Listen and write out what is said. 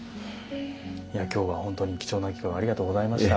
今日は本当に貴重な機会をありがとうございました。